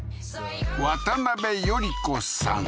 渡邊頼子さん